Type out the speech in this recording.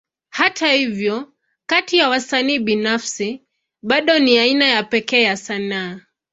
Hata hivyo, kati ya wasanii binafsi, bado ni aina ya pekee ya sanaa.